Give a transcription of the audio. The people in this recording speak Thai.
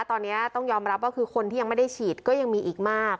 ตอนนี้ต้องยอมรับว่าคือคนที่ยังไม่ได้ฉีดก็ยังมีอีกมาก